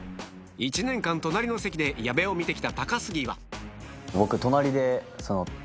１年間隣の席で矢部を見て来た高杉は僕。